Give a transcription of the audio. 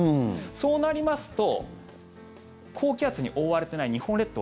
そうなりますと高気圧に覆われていない日本列島